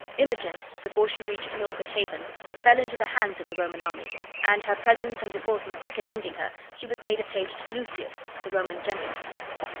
Imogen, before she reached Milford Haven, fell into the hands of the Roman army, and, her presence and deportment recommending her, she was made a page to Lucius, the Roman general.